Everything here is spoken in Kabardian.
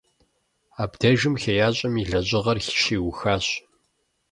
Абдежым хеящӀэм и лэжьыгъэр щиухащ.